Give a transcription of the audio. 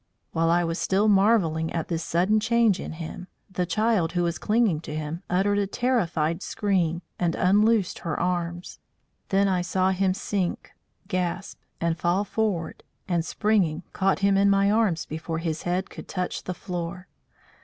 While I was still marvelling at this sudden change in him, the child who was clinging to him uttered a terrified scream and unloosed her arms. Then I saw him sink, gasp, and fall forward, and, springing, caught him in my arms before his head could touch the floor.